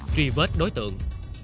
truy vết đối tượng